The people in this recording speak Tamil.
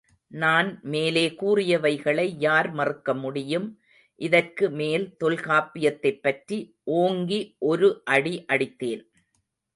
நான் மேலே கூறியவைகளை யார் மறுக்க முடியும், இதற்கு மேல் தொல்காப்பியத்தைப் பற்றி ஓங்கி ஒரு அடி அடித்தேன்.